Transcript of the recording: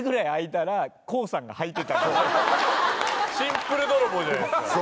シンプル泥棒じゃないですか。